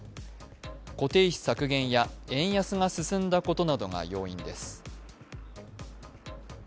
固定費削減や円安が進んだことなどが要因です。